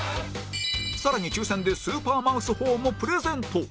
更に抽選でスーパーマウスホーンもプレゼント